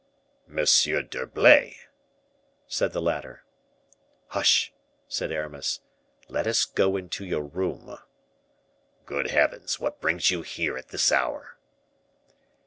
"Monsieur d'Herblay!" said the latter. "Hush!" said Aramis. "Let us go into your room." "Good heavens! what brings you here at this hour?"